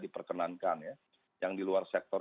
diperkenankan ya yang di luar sektor